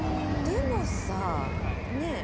でもさねえ。